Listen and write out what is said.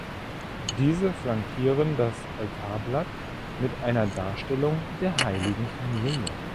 Diese flankieren das Altarblatt mit einer Darstellung der Heiligen Familie.